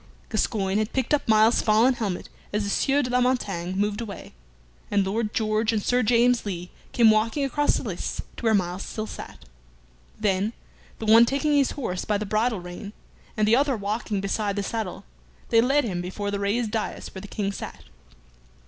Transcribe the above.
Gascoyne had picked up Myles's fallen helmet as the Sieur de la Montaigne moved away, and Lord George and Sir James Lee came walking across the lists to where Myles still sat. Then, the one taking his horse by the bridle rein, and the other walking beside the saddle, they led him before the raised dais where the King sat.